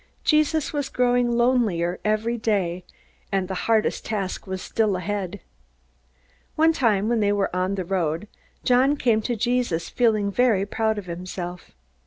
Jesus was growing lonelier every day, and the hardest task was still ahead. One time, when they were on the road, John came to Jesus, feeling very proud of himself.